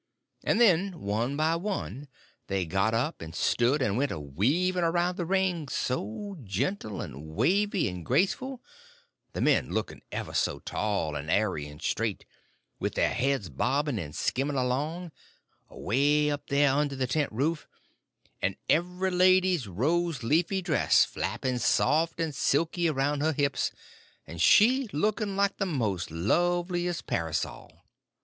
And then one by one they got up and stood, and went a weaving around the ring so gentle and wavy and graceful, the men looking ever so tall and airy and straight, with their heads bobbing and skimming along, away up there under the tent roof, and every lady's rose leafy dress flapping soft and silky around her hips, and she looking like the most loveliest parasol.